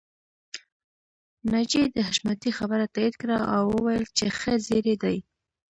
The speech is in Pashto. ناجيې د حشمتي خبره تاييد کړه او وويل چې ښه زيری دی